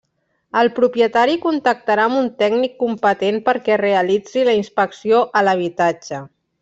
El propietari contactarà amb un tècnic competent perquè realitzi la inspecció a l'habitatge.